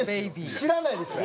知らないですから。